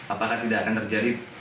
apakah tidak akan terjadi